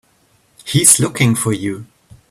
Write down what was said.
He's looking for you.